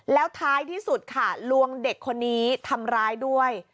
แล้วท้ายที่สุดค่ะลวงเด็กคนนี้ทำร้ายด้วย